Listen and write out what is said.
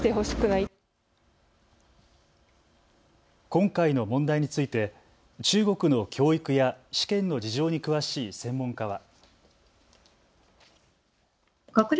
今回の問題について中国の教育や試験の事情に詳しい専門家は。